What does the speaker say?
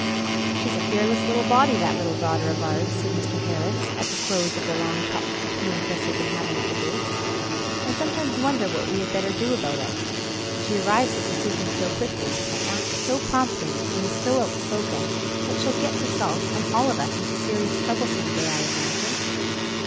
"She's a fearless little body, that little daughter of ours," said Mr. Harris at the close of the long talk he and Chris had been having at the gate. "I sometimes wonder what we had better do about it. She arrives at decisions so quickly and acts so promptly and is so outspoken, that she'll get herself and all of us into serious trouble some day, I imagine."